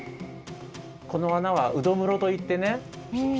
このあなはうどむろといってね